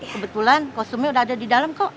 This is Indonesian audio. kebetulan konsumen udah ada di dalam kok